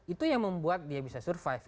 itu yang membuat dia bisa survive